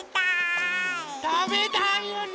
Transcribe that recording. たべたいよね。